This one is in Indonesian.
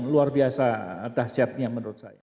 luar biasa dahsyatnya menurut saya